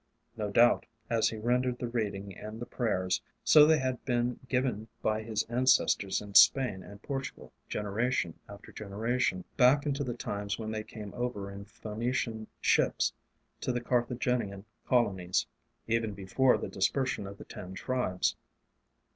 No doubt, as he rendered the reading and the prayers, so they had been given by his ancestors in Spain and Portugal generation after generation, back into the times when they came over in Phoenician ships to the Carthaginian colonies, even before the dispersion of the Ten Tribes.